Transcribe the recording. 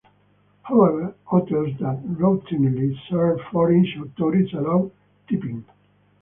However, hotels that routinely serve foreign tourists allow tipping.